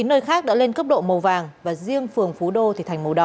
chín nơi khác đã lên cấp độ màu vàng và riêng phường phú đô thì thành màu đỏ